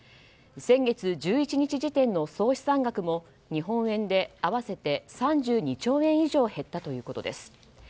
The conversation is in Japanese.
先月１１日時点の総資産額も日本円で合わせて３２兆円以上減ったということです。